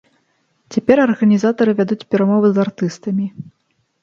Цяпер арганізатары вядуць перамовы з артыстамі.